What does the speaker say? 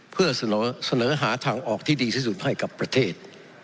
เพื่อเสนอหาทางออกที่ดีที่สุดให้กับประเทศ